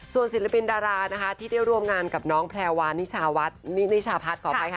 ส่วนศิลปินดาราที่ได้รวมงานกับน้องแพลวานนิชาพัท